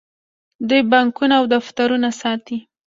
دوی بانکونه او دفترونه ساتي.